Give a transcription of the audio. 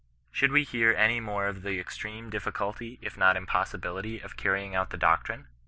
Should we hear any more of the extreme difficulty, if not impossibility, of carrying out the doctrine?